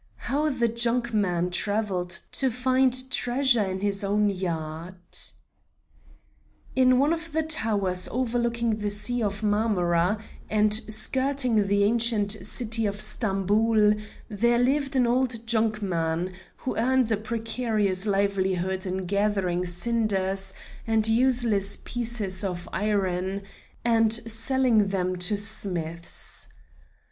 HOW THE JUNKMAN TRAVELLED TO FIND TREASURE IN HIS OWN YARD In one of the towers overlooking the Sea of Marmora and skirting the ancient city of Stamboul, there lived an old junkman, who earned a precarious livelihood in gathering cinders and useless pieces of iron, and selling them to smiths.